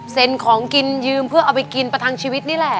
ของกินยืมเพื่อเอาไปกินประทังชีวิตนี่แหละ